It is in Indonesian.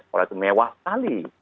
sekolah itu mewah sekali